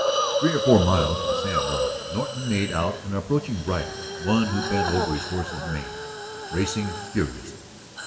Three or four miles from San Juan Norton made out an approaching rider, one who bent over his horse's mane, racing furiously.